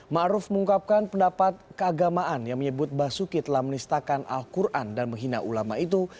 ⁇ maruf ⁇ mengungkapkan pendapat keagamaan yang menyebut basuki telah menistakan al quran dan menghina ulama itu